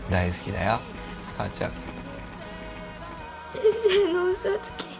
先生の嘘つき。